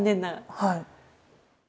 はい。